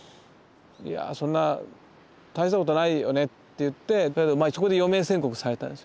いやあそんな大したことないよねって言ってだけどそこで余命宣告されたんです。